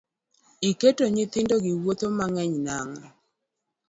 Iketo nyithindo gi wuoth mang'eny nang'o?